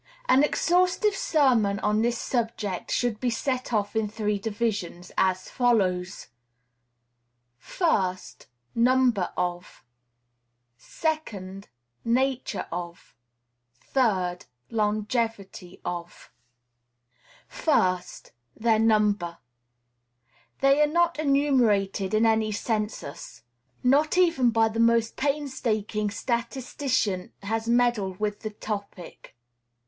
An exhaustive sermon on this subject should be set off in three divisions, as follows: PRIVATE TYRANTS. 1st. Number of 2d. Nature of 3d. Longevity of First. Their number. They are not enumerated in any census. Not even the most painstaking statistician has meddled with the topic.